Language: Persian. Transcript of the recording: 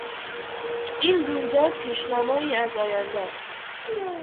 این رویداد پیشنمایی از آینده است.